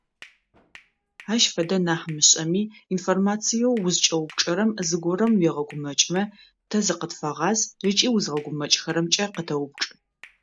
Ащ фэдэ нахь мышӏэми, информациеу узкӏэупчӏэрэм зыгорэм уегъэгумэкӏмэ, тэ зыкъытфэгъаз ыкӏи узгъэгумэкӏхэрэмкӏэ къытэупчӏ.